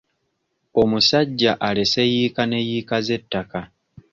Omusajja alese yiika ne yiika z'ettaka.